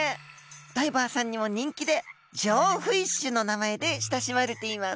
ダイバーさんにも人気で「ジョーフィッシュ」の名前で親しまれています。